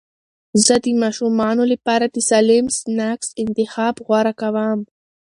زه د ماشومانو لپاره د سالم سنکس انتخاب غوره کوم.